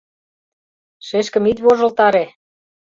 — Шешкым ит вожылтаре.